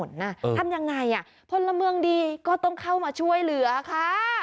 ทำยังไงอ่ะพลเมืองดีก็ต้องเข้ามาช่วยเหลือค่ะ